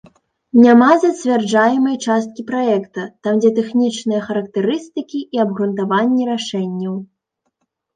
Няма зацвярджаемай часткі праекта, там дзе тэхнічныя характарыстыкі і абгрунтаванні рашэнняў.